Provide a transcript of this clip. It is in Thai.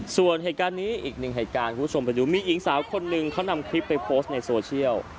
ส่วนเหตุการณ์นี้อีกหนึ่งเหตุการณ์คุณผู้ชมไปดูมีหญิงสาวคนหนึ่งเขานำคลิปไปโพสต์ในโซเชียล